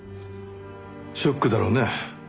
ショックだろうね。